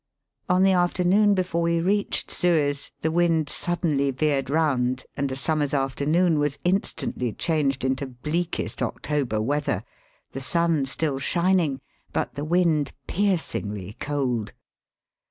On the afternoon before we reached Suez^ the wind suddenly veered round, and a sum mer's afternoon was instantly changed into bleakest October weather, the sun still shining, but the wind piercingly cold.